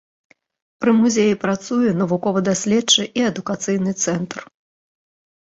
Пры музеі працуе навукова-даследчы і адукацыйны цэнтр.